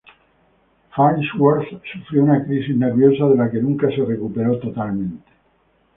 Farnsworth sufrió una crisis nerviosa de la que nunca se recuperó totalmente.